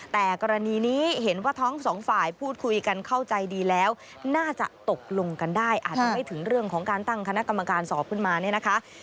แต่กรณีนี้เห็นว่าทั้งสองฝ่ายพูดคุยกันเข้าใจดีแล้วน่าจะตกลงกันได้อาจจะไม่ถึงเรื่องของการตั้งคณะกรรมการสอบขึ้นมาเนี่ยนะคะ